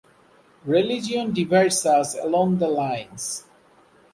Religion divides us along the lines.